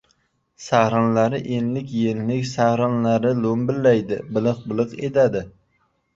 Sag‘rinlari enlik- yenlik! Sag‘rinlari lo‘mbillaydi, biliq-biliq etadi!